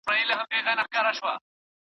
قرباني ورکول د پلار د مینې څرګندونه ده.